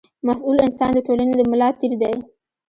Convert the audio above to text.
مسوول انسان د ټولنې د ملا تېر دی.